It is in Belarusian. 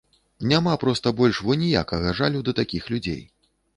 Няма проста больш во ніякага жалю да такіх людзей.